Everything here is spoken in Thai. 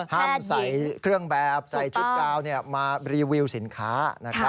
ห้ามใส่เครื่องแบบใส่ชุดกาวมารีวิวสินค้านะครับ